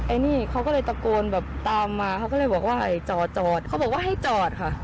อันนี้เขาก็เลยตะโกนแบบตามมาเขาก็เลยบอกว่าให้จอดจอดเขาบอกว่าให้จอดค่ะ